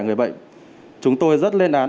người bệnh chúng tôi rất lên án